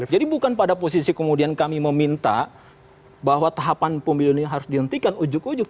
jadi bukan pada posisi kemudian kami meminta bahwa tahapan pemilu ini harus dihentikan ujug ujug